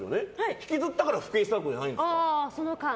引きずったから復縁したんじゃないですか？